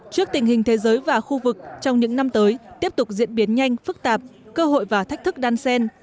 trước tình hình thế giới và khu vực trong những năm tới tiếp tục diễn biến nhanh phức tạp cơ hội và thách thức đan sen